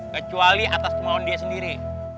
kecuali atas kemauan dia sendiri